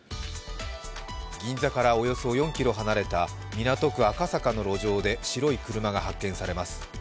銀座からおよそ４ｋｍ離れた港区赤坂の路上で白い車が発見されます。